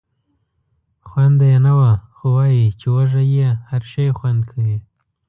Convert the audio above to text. خونده یې نه وه خو وایي چې وږی یې هر شی خوند کوي.